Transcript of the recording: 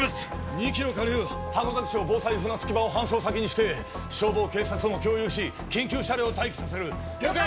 ２キロ下流箱崎町防災船着場を搬送先に指定消防警察とも共有し緊急車両を待機させる了解！